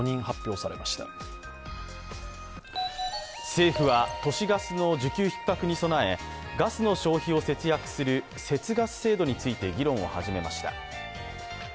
政府は都市ガスの需給ひっ迫に供え、ガスの消費を節約する節ガス制度について議論を始めました。